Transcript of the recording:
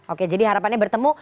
oke jadi harapannya bertemu